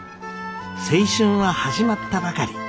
青春は始まったばかり。